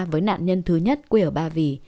với nạn nhân thứ nhất quê ở ba vì